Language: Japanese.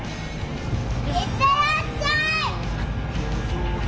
行ってらっしゃい！